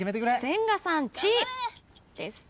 千賀さん「ち」です。